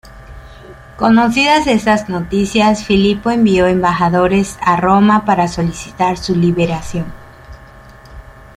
Conocidas estas noticias, Filipo envió embajadores a Roma para solicitar su liberación.